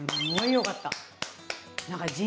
よかった。